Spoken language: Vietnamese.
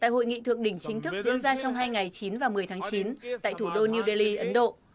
hình chính thức diễn ra trong hai ngày chín và một mươi tháng chín tại thủ đô new delhi ấn độ